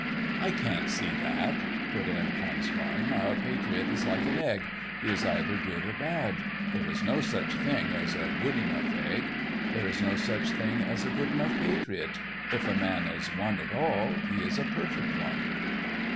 "I can't see that," put in Ponscarme; "a patriot is like an egg—he is either good or bad. There is no such thing as a 'good enough egg,' there is no such thing as a 'good enough patriot'—if a man is one at all, he is a perfect one."